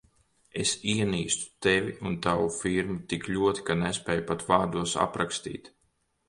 Es ienīstu Tevi un tavu firmu tik ļoti, ka nespēju pat vārdos aprakstīt.